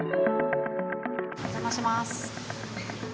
お邪魔します。